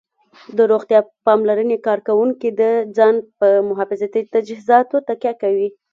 د روغتیا پاملرنې کارکوونکي د ځان په محافظتي تجهیزاتو تکیه کوي